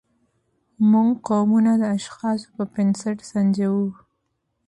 موږ قومونه د اشخاصو پر بنسټ سنجوو.